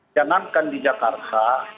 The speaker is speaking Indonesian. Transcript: jangan kan di jakarta